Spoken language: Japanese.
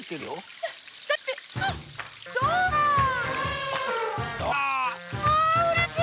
あうれしい！